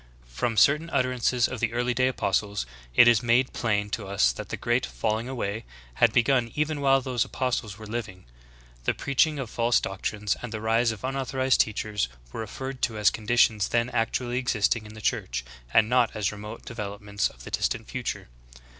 From certain utterances of the early day apostles it is made plain to us that the great "falling away" had begun even while those apostles w^ere living. The preaching of false doctrines and the rise of unauthorized teachers were referred to as conditions then actually existing in the Church, and not as remote devel opments of the distant future.'